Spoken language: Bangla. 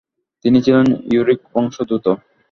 তিনি ছিলেন ইউরুক বংশোদ্ভুত।